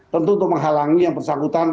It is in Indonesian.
tentu untuk menghalangi yang bersangkutan